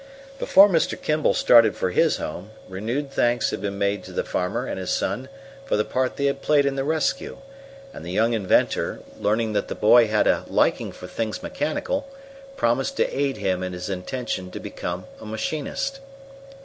Before Mr. Kimball started for his home, renewed thanks had been made to the farmer and his son for the part they had played in the rescue, and the young inventor, learning that the boy had a liking for things mechanical, promised to aid him in his intention to become a machinist.